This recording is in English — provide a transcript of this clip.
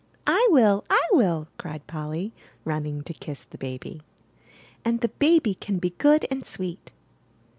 '' I will, I will!" cried Polly, running to kiss the baby. And the baby can be good and sweet!"